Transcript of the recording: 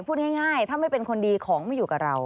พูดง่ายถ้าไม่เป็นคนดีของไม่อยู่กับเรา